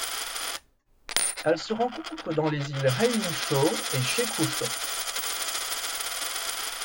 Elle se rencontre dans les îles Hei Ling Chau et Shek Kwu Chau.